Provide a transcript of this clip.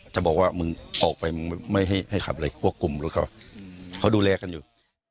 จะบอกว่ามึงออกไปมึงไม่ให้ขับเลยพวกกลุ่มรถเขาเขาดูแลกันอยู่